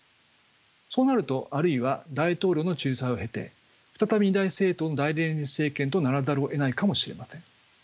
そうなるとあるいは大統領の仲裁を経て再び二大政党の大連立政権とならざるをえないかもしれません。